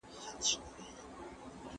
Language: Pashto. زه زده کوونکی یم.